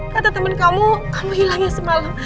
kata temen kamu kamu hilangnya semalam